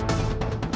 aku mau berjalan